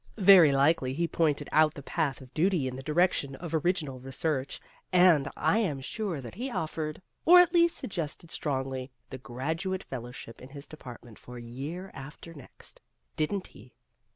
Very likely he pointed out the path of duty in the direction of original research, and I am sure that he offered or, at least, sug gested strongly the graduate fellowship in his department for year after next. Did n't he